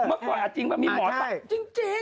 เมื่อก่อนจริงป่ะมีหมอจริง